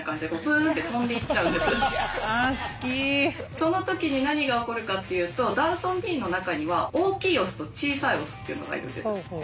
その時に何が起こるかっていうとダウソンビーの中には大きいオスと小さいオスっていうのがいるんです。